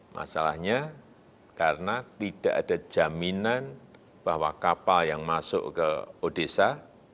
masalahnya karena tidak ada jaminan bahwa kapal yang masuk ke odesa